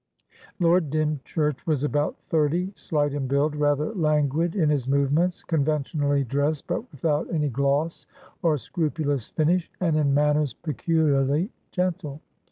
Lord Dymchurch was about thirty, slight in build, rather languid in his movements, conventionally dressed but without any gloss or scrupulous finish, and in manners peculiarly gentle.